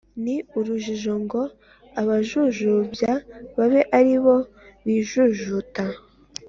ni urujijo ngo abajujubya babe ari bo bijujuta